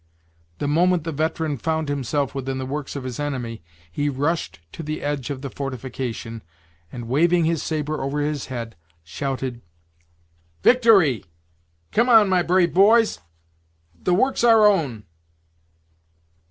The moment the veteran found himself within the works of his enemy, he rushed to the edge of the fortification, and, waving his sabre over his head, shouted: "Victory! come on, my brave boys, the work's our own!"